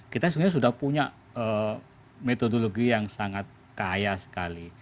kita sebenarnya sudah punya metodologi yang sangat kaya sekali